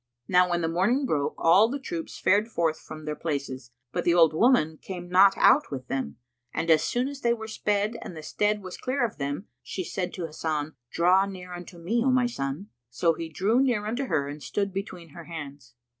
Now when the morning broke, all the troops fared forth from their places, but the old woman came not out with them, and as soon as they were sped and the stead was clear of them, she said to Hasan, "Draw near unto me, O my son[FN#125]." So he drew near unto her and stood between her hands.